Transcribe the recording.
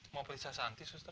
mau periksa shanti suster